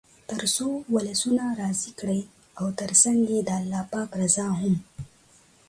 تر څو ولسونه راضي کړئ او تر څنګ یې د پاک الله رضا هم.